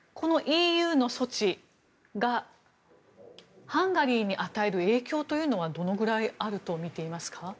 このＥＵの措置がハンガリーに与える影響というのはどのくらいあると見ていますか。